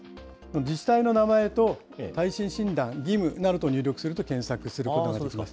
自治体の名前と耐震診断、義務などと入力すると検索することができます。